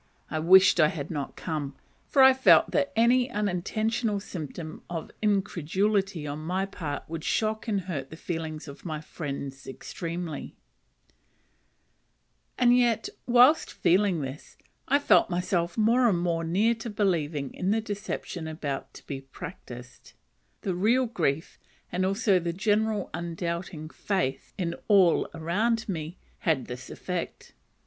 I wished I had not come, for I felt that any unintentional symptom of incredulity on my part would shock and hurt the feelings of my friends extremely; and yet, whilst feeling thus, I felt myself more and more near to believing in the deception about to be practised: the real grief, and also the general undoubting faith, in all around me, had this effect.